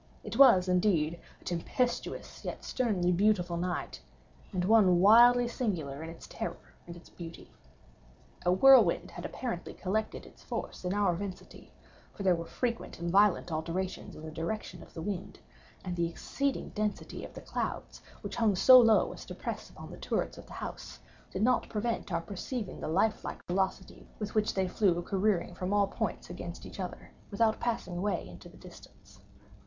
It was, indeed, a tempestuous yet sternly beautiful night, and one wildly singular in its terror and its beauty. A whirlwind had apparently collected its force in our vicinity; for there were frequent and violent alterations in the direction of the wind; and the exceeding density of the clouds (which hung so low as to press upon the turrets of the house) did not prevent our perceiving the life like velocity with which they flew careering from all points against each other, without passing away into the distance.